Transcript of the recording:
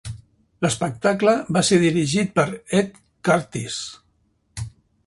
L'espectacle va ser dirigit per Ed Curtis.